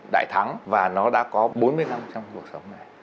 đại thắng và nó đã có bốn mươi năm trong cuộc sống này